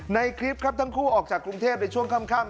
ในคลิปครับทั้งคู่ออกจากกรุงเทพในช่วงค่ำ